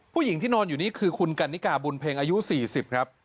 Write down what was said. ผู้หญิงที่นอนอยู่นี่คือคุณกันนิกาบุญเพ็งอายุ๔๐ครับ